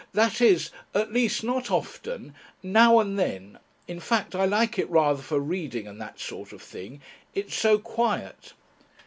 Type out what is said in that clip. That is At least not often. Now and then. In fact, I like it rather for reading and that sort of thing. It's so quiet."